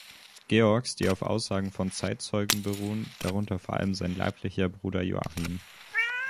Georgs, die auf Aussagen von Zeitzeugen beruhen, darunter vor allem sein leiblicher Bruder Joachim.